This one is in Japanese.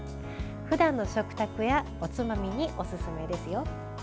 ふだんの食卓やおつまみにおすすめですよ。